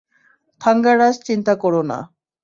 থাঙ্গারাজ, চিন্তা করো না।